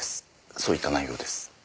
そういった内容です。